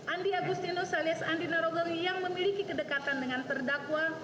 andi agustino salies andi narogengi yang memiliki kedekatan dengan terdakwa